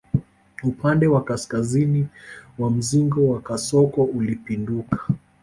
Upande wa kaskazini wa mzingo wa kasoko ulipinduka